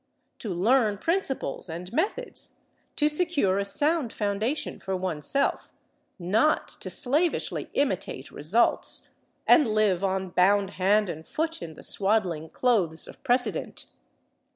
To learn principles and methods, to secure a sound foundation for oneself; not to slavishly imitate results, and live on bound hand and foot in the swaddling clothes of precedent.